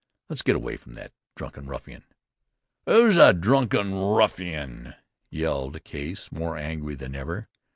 "Let's get away from that drunken ruffian." "Who's a drunken ruffian?" yelled Case, more angry than ever.